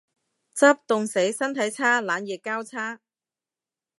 執，凍死。身體差。冷熱交叉